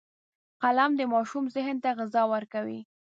قلم د ماشوم ذهن ته غذا ورکوي